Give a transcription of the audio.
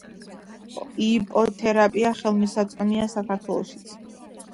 იპოთერაპია ხელმისაწვდომია საქართველოშიც.